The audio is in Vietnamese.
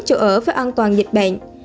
chủ ở với an toàn dịch bệnh